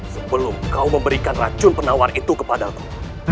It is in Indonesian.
sebelum kau memberikan racun penawar itu kepadaku